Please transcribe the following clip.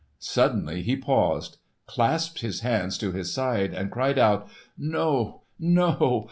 Suddenly he paused, clasped his hands to his side and cried out: "No! no!